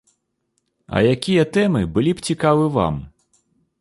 А якія тэмы былі б цікавы вам?